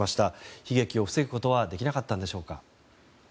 悲劇を防ぐことができなかったのでしょうか。